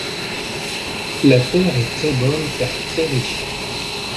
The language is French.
La terre est très bonne car très riche.